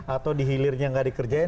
atau di hilirnya gak dikerjain